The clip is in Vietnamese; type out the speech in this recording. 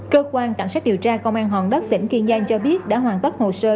cơ quan cảnh sát điều tra công an hòn đất tỉnh kiên giang cho biết đã hoàn tất hồ sơ